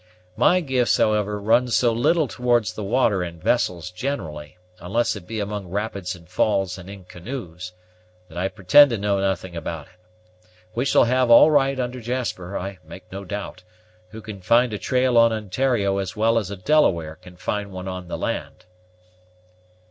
My gifts, however, run so little towards the water and vessels generally, unless it be among rapids and falls and in canoes, that I pretend to know nothing about it. We shall have all right under Jasper, I make no doubt, who can find a trail on Ontario as well as a Delaware can find one on the land."